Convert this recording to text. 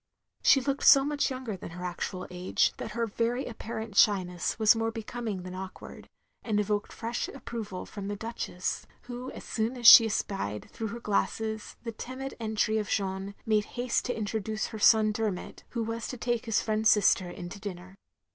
She looked so much younger than her actual age that her very apparent shyness was more becoming than awkward, and evoked fresh approval from the Duchess; who as soon as she espied, through her glasses, the timid entry of Jeanne, made haste to introduce her son Der mot, who was to take his friend's sister in to dinner.